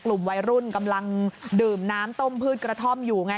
กลุ่มวัยรุ่นกำลังดื่มน้ำต้มพืชกระท่อมอยู่ไง